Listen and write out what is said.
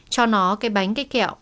cho nó cái bánh cái kẹo